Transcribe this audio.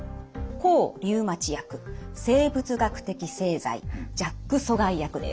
抗リウマチ薬生物学的製剤ＪＡＫ阻害薬です。